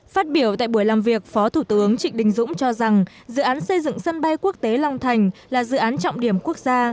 phát biểu tại buổi làm việc phó thủ tướng trịnh đình dũng cho rằng dự án xây dựng sân bay quốc tế long thành là dự án trọng điểm quốc gia